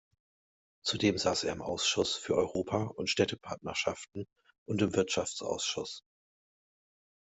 Zudem saß er im Ausschuss für Europa und Städtepartnerschaften und im Wirtschaftsausschuss.